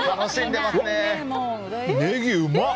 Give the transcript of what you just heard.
ネギ、うまっ！